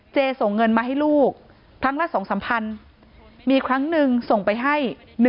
เจส่งเงินมาให้ลูกครั้งละ๒สมภัณฑ์มีครั้งนึงส่งไปให้๑๐๐๐